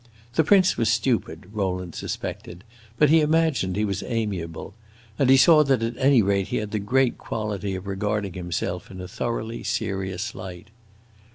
The prince was stupid, Rowland suspected, but he imagined he was amiable, and he saw that at any rate he had the great quality of regarding himself in a thoroughly serious light.